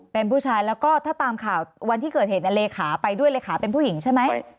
เป็นผู้ชายแล้วก็ถ้าตามข่าววันที่เกิดเหตุเลขาไปด้วยเลขาเป็นผู้หญิงใช่ไหม